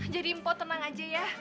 jadi mpo tenang aja ya